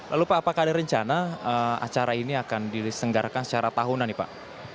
lalu pak apakah ada rencana acara ini akan disenggarakan secara tahunan nih pak